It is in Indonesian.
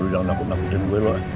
jangan takut takutin gue loh